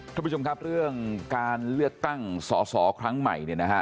ท่านผู้ชมครับเรื่องการเลือกตั้งสอสอครั้งใหม่เนี่ยนะฮะ